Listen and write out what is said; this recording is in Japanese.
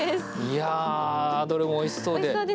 いやあ、どれもおいしそうで。